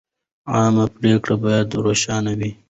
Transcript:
عامه پریکړې باید روښانه وي.